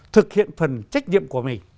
thực hiện phần trách nhiệm của mình